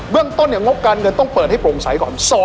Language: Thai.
เรื่องต้นงบการเงินต้องเปิดให้โปร่งใสก่อน